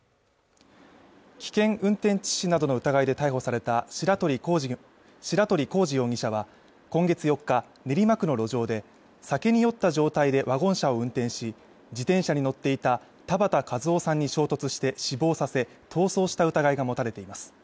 危険運転致死などの疑いで逮捕された白鳥功二容疑者は今月４日練馬区の路上で酒に酔った状態でワゴン車を運転し自転車に乗っていた田畑和雄さんに衝突して死亡させ逃走した疑いが持たれています